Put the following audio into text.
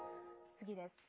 次です。